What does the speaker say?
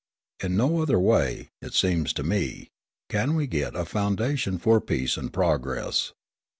In no other way, it seems to me, can we get a foundation for peace and progress.